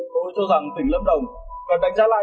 tôi cho rằng tỉnh lâm đồng cần đánh giá lại